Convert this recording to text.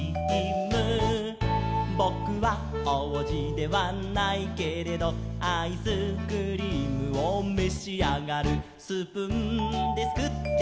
「ぼくはおうじではないけれど」「アイスクリームをめしあがる」「スプーンですくってピチャッチャッチャ」